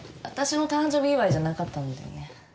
私の誕生日祝いじゃなかったんだよね。